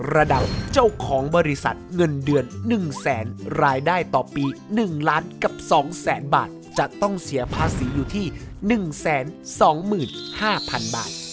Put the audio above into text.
ระดับเจ้าของบริษัทเงินเดือน๑แสนรายได้ต่อปี๑ล้านกับ๒แสนบาทจะต้องเสียภาษีอยู่ที่๑๒๕๐๐๐บาท